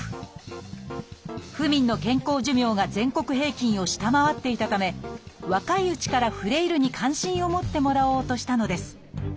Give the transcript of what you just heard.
府民の健康寿命が全国平均を下回っていたため若いうちからフレイルに関心を持ってもらおうとしたのです。